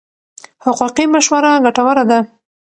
حقوقي مشوره ګټوره ده.